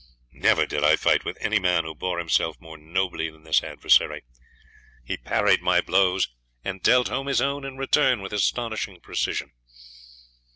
Never did I fight with any man who bore himself more nobly than this adversary; he parried my blows, and dealt home his own in return with astonishing precision.